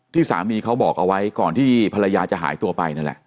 ที่สามีเขาบอกเอาไว้ก่อนที่ภรรยาจะหายตัวไปนั่นแหละ